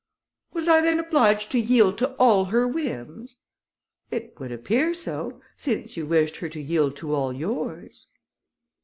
"Was I then obliged to yield to all her whims?" "It would appear so, since you wished her to yield to all yours."